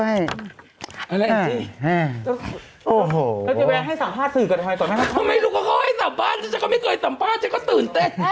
ก็จะแวะให้สัมภาษณ์สื่อเกิดอะไรต่อไม่รู้ก็ขอให้สัมภาษณ์แต่ก็ไม่เคยสัมภาษณ์แต่ก็ตื่นเต้น